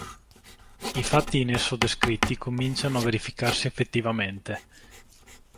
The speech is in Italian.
I fatti in esso descritti cominciano a verificarsi effettivamente.